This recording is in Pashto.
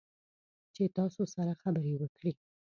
چې تاسو سره خبرې وکړي